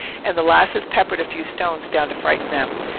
And the lasses peppered a few stones down to frighten them.